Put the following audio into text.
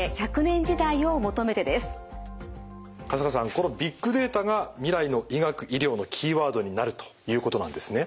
このビッグデータが未来の医学医療のキーワードになるということなんですね？